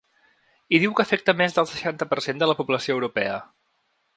I diu que afecta més del seixanta per cent de la població europea.